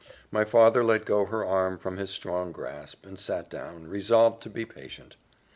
My father let go her arm from his strong grasp, and sat down, resolved to be patient.